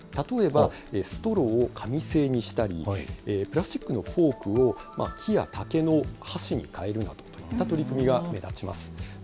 例えばストローを紙製にしたり、プラスチックのフォークを木や竹の箸に変えるなどといった取り組みが目立ちます。